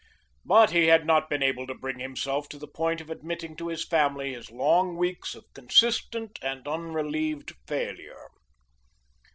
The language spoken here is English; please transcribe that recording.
But he had not been able to bring himself to the point of admitting to his family his long weeks of consistent and unrelieved failure.